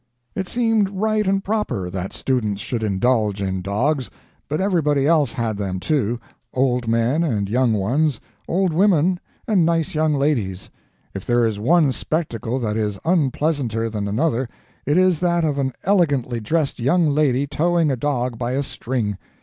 It seemed right and proper that students should indulge in dogs; but everybody else had them, too old men and young ones, old women and nice young ladies. If there is one spectacle that is unpleasanter than another, it is that of an elegantly dressed young lady towing a dog by a string.